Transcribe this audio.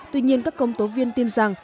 tuy nhiên các công tố viên tin rằng